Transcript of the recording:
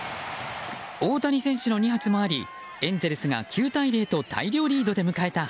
大谷選手の２発もありエンゼルスが９対０と大量リードで迎えた